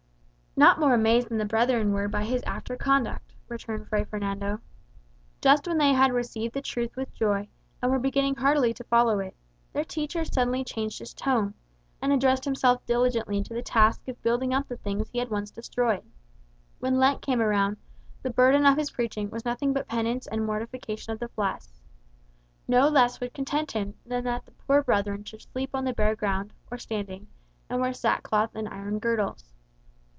"Not more amazed than the brethren were by his after conduct," returned Fray Fernando. "Just when they had received the truth with joy, and were beginning heartily to follow it, their teacher suddenly changed his tone, and addressed himself diligently to the task of building up the things that he once destroyed. When Lent came round, the burden of his preaching was nothing but penance and mortification of the flesh. No less would content him than that the poor brethren should sleep on the bare ground, or standing; and wear sackcloth and iron girdles.